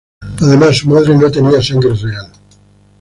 Además su madre no tenía sangre real.